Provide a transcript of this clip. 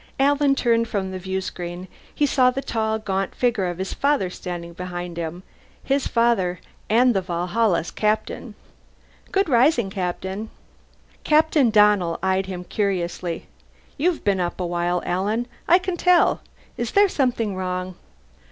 Alan turned from the viewscreen. He saw the tall, gaunt figure of his father standing behind him. His father and the Valhalla's captain. "Good rising, Captain." Captain Donnell eyed him curiously. "You've been up a while, Alan. I can tell. Is there something wrong?"